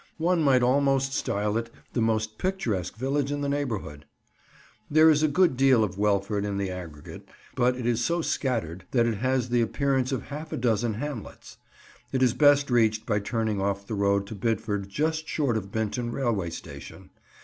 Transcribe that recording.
One might almost style it the most picturesque village in the neighbourhood. There is a good deal of Welford in the aggregate, but it is so scattered that it has the appearance of half a dozen hamlets. It is best reached by turning off the road to Bidford just short of Binton railway station.